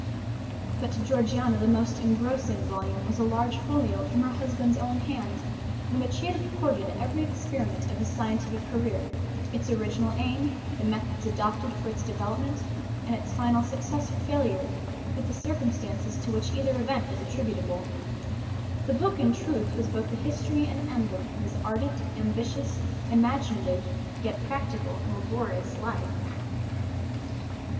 But to Georgiana the most engrossing volume was a large folio from her husband's own hand, in which he had recorded every experiment of his scientific career, its original aim, the methods adopted for its development, and its final success or failure, with the circumstances to which either event was attributable. The book, in truth, was both the history and emblem of his ardent, ambitious, imaginative, yet practical and laborious life.